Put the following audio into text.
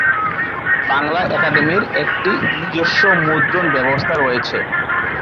বাংলা একাডেমির একটি নিজস্ব মুদ্রণ ব্যবস্থা রয়েছে।